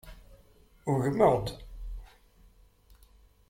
Ugmeɣ-d.